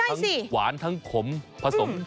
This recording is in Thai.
ทั้งหวานทั้งขมผสม